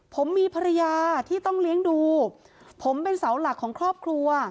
ผมมีภรรยาที่ต้องเลี้ยงดูผมเป็นเสาหลักของครอบครัว